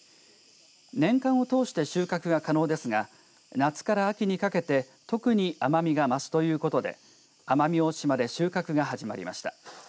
年間を通して収穫が可能ですが夏から秋にかけて特に甘みが増すということで奄美大島で収穫が始まりました。